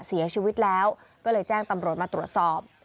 เสียชีวิตแล้วก็เลยแจ้งตำรวจมาตรวจสอบ